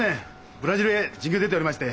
ブラジルへ巡業に出ておりまして。